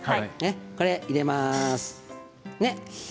これを入れます。